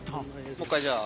もう１回じゃあ。